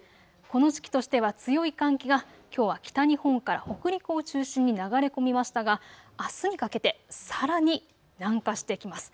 この時期としては強い寒気がきょうは北日本から北陸を中心に流れ込みましたが、あすにかけてさらに南下してきます。